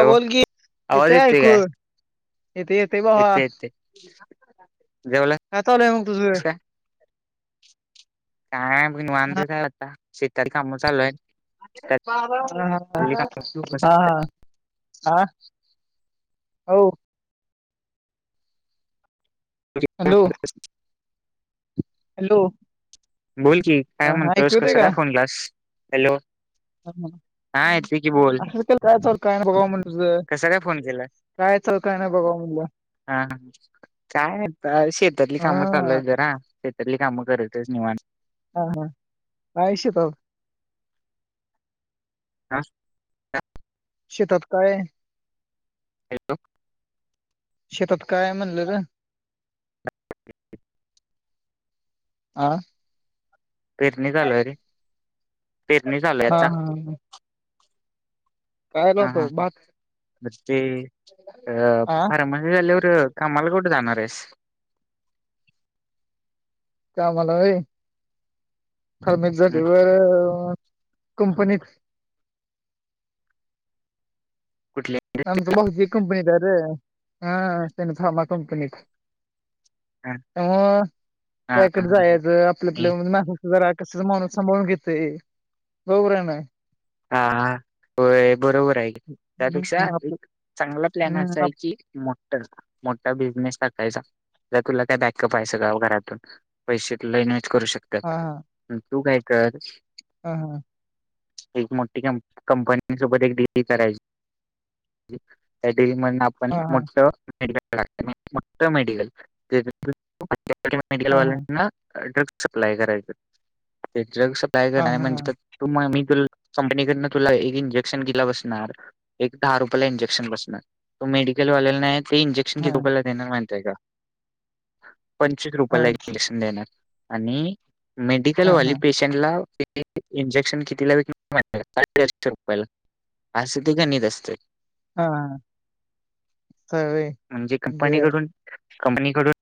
ह हॅलो बोलकि आवाज इतय येतोय ऐकु. काय? येतेय येतेय भावा येतोय येतोय जेवलास काय चाललंय मग तुझं. काय? काय वांदे झाले आता शेताकरी काम चालूयेत. हा काम हा. आ हो. हॅलो. हॅलो. बोल की काय हा ऐकू म्हणतोस कसं काय फोन केला स हॅलो. हा येतोय की बोल असयच केलता काय नाय म्हण बाबा कसा काय फोन केलास? काय चालतंयन बा हा ह काय शेतातली कामं हा चालूय जरा शेतातली. काम करायचं निवांत. हा हा, काये शेताव. हा हा. शेतात काये? येतो. शेतात काय म्हणलं र? [inaudible] आह! पिरणी चालूय रे पिरणी चालू हा आता. हा काय ह ह लावतो ह, भात बस ते हा [unintelligible] कमाल कुठ जाणारेस. कामला व्हय फारमसी झाली व्हायर. कंपनीत. कुठले आमच भाऊ ज कंपनी त रे हा स फार्मा कंपनीत. अ हा हा त्याकडे जायचं आपलं हा आपलं म्हज मासाच जरा कसच माणू सांभाळून घेतय बरोबर आहे ना. हा हा, होय. बरोबर आये की त्यापेक्षा हम्म आपलं एक चांगला प्लॅन हम्म असा आहे आप की मोठ मोठा बिझनेस टाक तुला काय बॅकअप आहेयचं ग घरातून पैसे तुला इन्वहेस्ट करू हा शकतात तू काय कर हा हा. एक मोठी कंपनी सोबत एक डिग्री करायची- [inaudible] हा हा मेडिकल हा वाल्यांना ड्रग्कससप्लाय करायच ड्र् सप्लाय हा हा करणार म्हणजे त हा मी तु कंपनीकडन तुला एक इंजेक्शन के बसणार एक दहा रुपयाला इंजेक्शन बसणार त मेड ले नाहीत ते इंजेक्शन किती हा रुपयाला देणार महितीय का पंचवीस हा रुपयाला इंजेक्शन देणार आणि हा मेडिकलवाली हा पेशंटला इंजेक्शन कितीला व साडेचशे रुपयाला असं ते गणित असत हा हा. सवय म्हणजे बर कंपनीकडून कंपनीकडून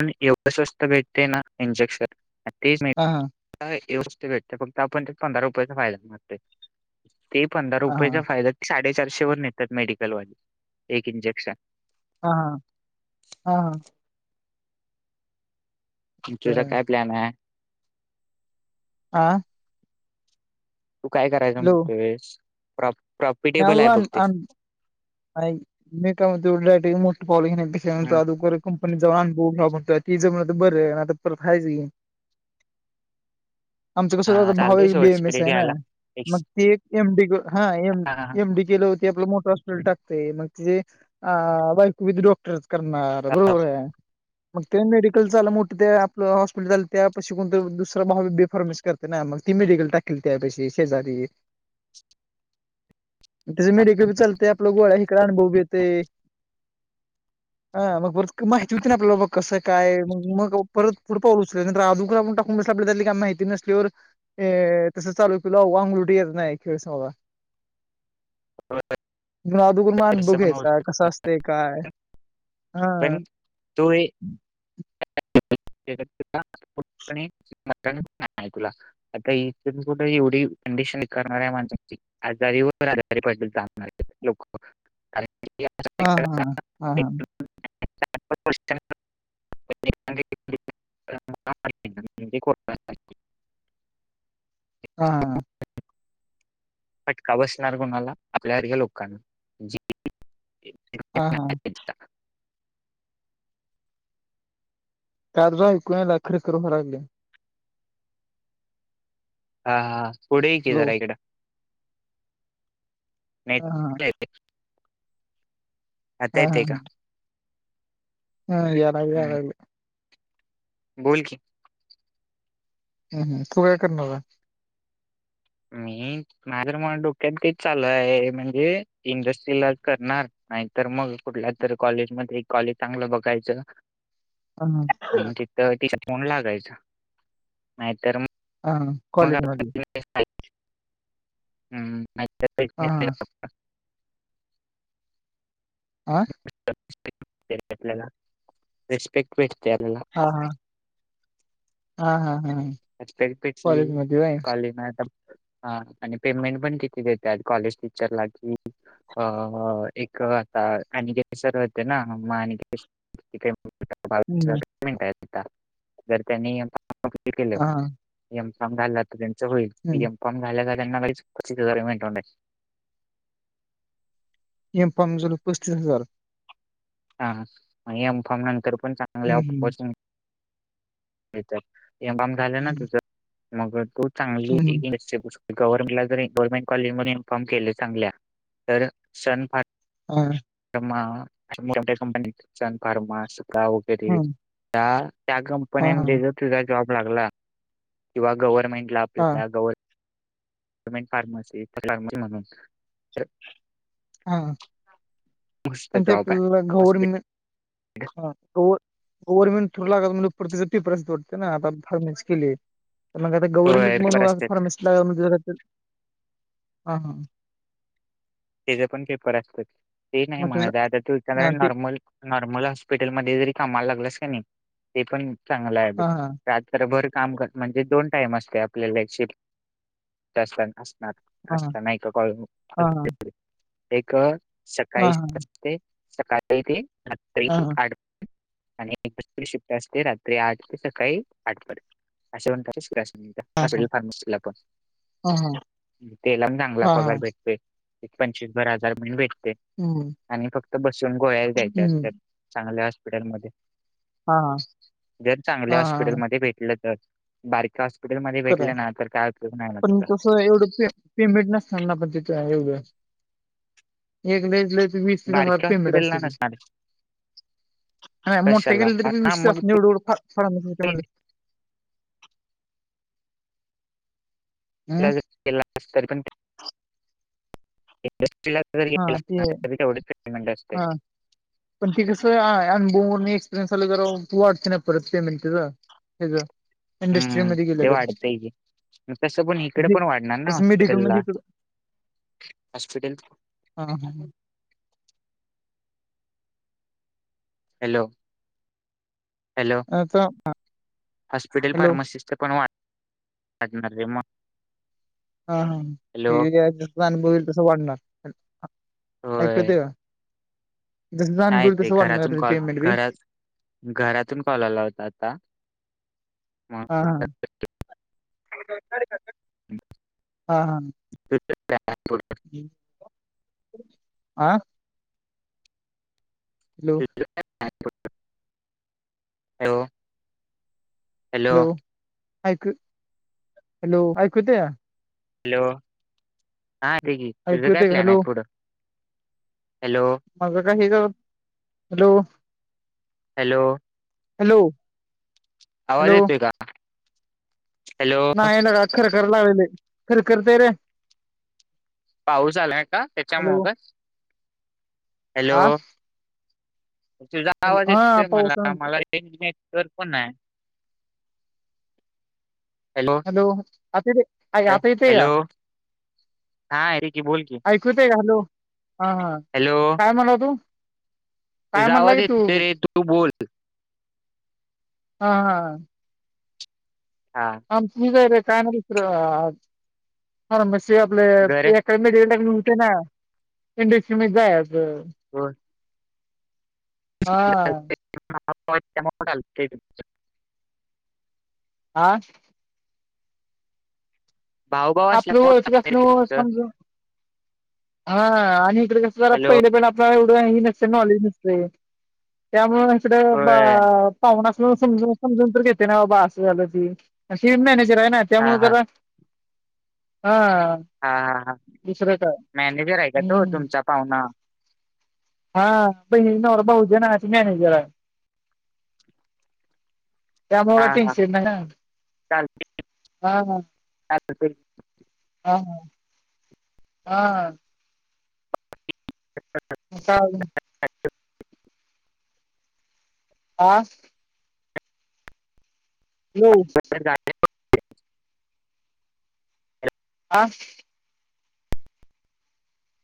प एवढं स्वस्त भेटते ना इंजेक्शन ते म हा हा [inaudible] हा चारशे वर नेतात मेडिकल वा एक इंजेक्शन हा हा हा हा बर तुझा काय प्लॅन आहे? आ! तू काय करायच म्हणतोयस प्राप मलवान आन [inaudible] पण जव हम्म. अनभव म्हणतो ती ज म्हण तर बर आहे ना पर खायच आमचं हा कसं भाव चालते बी सोड एम स स्प्रे आहे ना घ्यायला. मग एक्स ते एमडी हा एमडी केलं होते आपलं मोठ टाकते मग ति अ बायकविध डॉक्टर करणार बरोबर आहे मग ते मेडिकल आलं मोठं ते आपलं हॉस्पिटल आलं त्या पशी कोणत दुसरा भावी बेफारमेस करते ना म तीमेडील टाकल त्या पेक्षा शेजारी [inaudible] अ मग परत माहिती होती ना आपल्याला बघ कसं कायग मग परत पुढ पाऊ उचल नंतर टाकून बस आपली काही माहिती नसल्यावर अ तसं चालू केलंगलुटी येत नाही खेळ सा जु दोकून मान तस पण होऊ बघ्यायचा आहे शकत कसं असते काय हा पण तो. [inaudible] कंडिशन करणार आहे माणसची आजारी व आजारी पर्ल जाणार लोक की हा आजारी- हा हा हा हा. म्हणजे कोरोना हा हा. फटका बसणार कोणाला आपल्या सारख्या लोकांना हा हा. [unintelligible] हा हा पुढेही क लो जरा इकडं हा हा [inaudible] आता हा हा येतय हा. का हम्म, [inaudible] बोल की हम् हम तू काय करणार. मी नाही तरर मला डोक्यात तेच चालू आहे म्हणजे इंडस्ट्रीलाज करणार. नाही तर मग कुठल्या तर कॉलेजमध्येध्ये एक कॉलेज चांगलं बघायचं. हा आणि तिथं ति फोन लागायच नाहीतर मग हा कॉलेज मध्ये हा हा मम् आं. आपल्याला रिस्पेक्ट भेटते आपल्याला हा हा हा. हा आरी पटली कॉलेज मध्ये होय कॉले ना आता हा आणि पेमेंट पण किती देतात कॉलेज टीचरला कि अ एक आता आणि के सर होते ना. मिनट जर त्यांनी हा मम घाला त्यांच हम्म. होईलममा. करी वे ए पामजल पस्तीस हजार. हा एम फॉर्म नंतर पण हम्म चांगल्यािंग एबाम झालं ना हम्म तुझं मग तू चांगली. हम्म गव्हर्नमेंटला जरी गव्हर्नमेंट कॉलेज मध इन्फॉर्म केले चांगल्या तर सण फार हो. ्या कंपनी फार्मा श्रा वगैरे हम्म त्या त्या हा हा कंपन्यांमध्ये जर तुझा जॉब लागला किंवा गव्हर्नमेंट ला हा आपल्याला ग. े फार्मसी फारमी म्हणून तर हा आणि जॉब आहे ते घौर हॉस्पिटल ओथ ज प्रस दोडते ना त धर्मिक के तर मग आता होय गव्हर्नमेंट पेपर मणून असतात फारमेसट ला. हा. त्याचे पण पेपर असतात. ते नाही मग त्याला म्हणात आता त हा ते नॉर्मल नॉर्मल हॉस्पिटलमध्ये जरी कामाला ते पण हा हा चांगभर काम कर म्हणजे दोन टाइम असते आपल्यालाशिप असताना हा असत नाही का कॉ हा हा एक सकाळी हा हा असते सकाळी ते आ हा हा का. आणि शिफ्ट असते रात्री आठ ते सकाळी आठ पर्यंत अशे म्हणट शिट अस. हॉस्पिटल फार्मसीला पण हा हा त्याला पण चांगला हा पगार हा भेटते. एक पंचवीस बरा हजार म्ह भेटते हम्म आणि फक्त बस ून गोळ्याला द्यायच्या हम्म असतात चांगल्या हॉस्पिटलमध्येध्ये हा हा जर चांगल्या हा हा हॉस्पिटलमध्येध्ये भेटलं तर बारक हप. खरा पण तस एवढं पेमेंट नसताना पण तिथे एवढं. एक लट वीस ह बारक्या पेमेंट असते हॉस्पिटलला त नसणार आणि कशाला मोटरसायकल तर हा विश्वास मग तू निवडरच्या हं? [unintelligible] इंडट्रीला जर हा गेला ते असताना तरी तेवढच पेमेंट असते. अन बमर एक्सपिरियन्स आला क तू वाटते नाही परत पेमेंट त्याच हम्म ते वाढते की तसं पण इकड पण वाढणार ना तसं मेडिकल हॉस्पिटला मध्ये हॉस्पिटल हा हा. हॅलो. हॅलो आता हॉस्पिटल हॅलो फार्मासिस्ट च पण वाट अजमर रेमान हा हा हे अनुभव यईल तसं वाढणार ऐकु होय. येते का? जसं अनुभव नाही येईल ते तसं वाढणार घरातून तुझं कॉल पेमेंट बी घरात घरातून कॉल आला होता आता. म हा हा हा हा [unintelligible] आं हॅलो हॅलो हॅलो ऐक हॅलो ऐकु येते क़ा? हॅलो, हा ठीक आहे तुझं ऐकू काय येतंय का प्लॅन आहे हॅलो पुढं? हॅलो माझ काय? हे, हॅलो हॅलो हॅलो आवाज हॅलो येते का? हॅलो नाही लेका खरंखर लावेल खरंखत रे पाऊस आलाय का त्याच्यामूळ हॅलो का? हॅलो हा तुझा आवाज हॅलो हा येतोय मला, पावसानं मला नेटवर्क पण ये हॅलो, आता हॅ- आता येत हॅलो का? हा अरे की बोल की ऐकु येते का हॅलो हा हा काय म्हणा तू काय तुजा आजावा म्हणला की तू येत त रे तू बोल हा हा हा आमची आहे काय आर ते आपलं घर एका मते ना इंडस्ट्री मध्ये जायाच हो हा [unintelligible] आ भाऊ भाऊ आपलं असल्यामुळे हो चालतंय रे चल तुमचं समज आ आणि इकडे कसं जरा हॅलो पहिले पहिल आपल्याला एवढं ह नॉलेज नसते त्यामुळे इकडं होय पाहुन म्हणून समजून समजून तर घेते ना बाबा अस झालं की, हे मॅनेज आहे ना हा त्यामुळे हा जरा हा हा हा दुसरं काय मॅनेजर आहे का तो हम्म तुमचा पाहुना? हा बहिनचा नवरा भावजीबह मॅनेजर आहे. [inaudible] त्यामुळे हा हा टेन्शन नाही. चालतो हा हा हा हा हा हा आता आले. आ हॅलो [inaudible] ह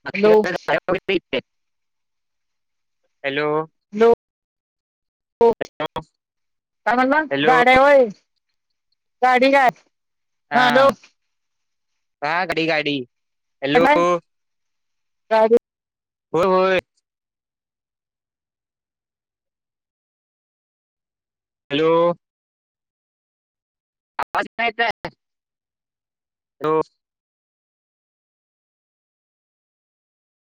हॅलो [unintelligible] हॅलो हो का म्हण ना हॅलो गाड्या व्हाय गाडी काय? हा हाॅलो हा, गाडी गाडी हॅलो [unintelligible] होय-होय. हॅलो, आवाज नाही तर आहे. ह.